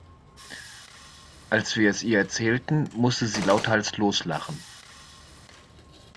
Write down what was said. Als wir es ihr erzählten, musste sie lauthals loslachen.